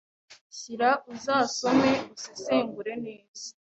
syria uzasome usesengure neza